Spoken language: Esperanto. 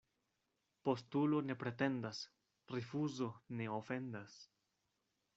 Postulo ne pretendas, rifuzo ne ofendas.